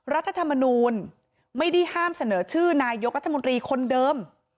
รัฐธรรมนูลไม่ได้ห้ามเสนอชื่อนายกรัฐมนตรีคนเดิม